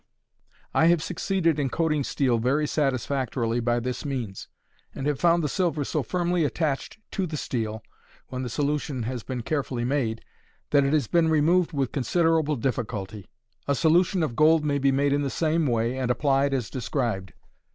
I have succeeded in coating steel very satisfactorily by this means, and have found the silver so firmly attached to the steel (when the solution has been carefully made) that it has been removed with considerable difficulty. A solution of gold may be made in the same way, and applied as described.